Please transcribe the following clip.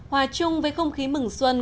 hòa chung với không khí mừng xuân